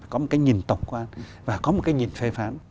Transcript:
có một cái nhìn tổng quan và có một cái nhìn phê phán